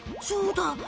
そうだ。